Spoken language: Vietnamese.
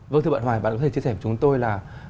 vâng thưa bạn hoài bạn có thể chia sẻ với chúng tôi là